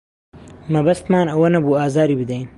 مەبەستمان ئەوە نەبوو ئازاری بدەین.